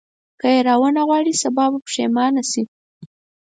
که یې راونه غواړې سبا به پښېمانه شې.